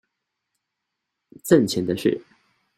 掙錢的事